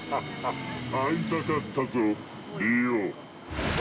会いたかったぞ、リオ！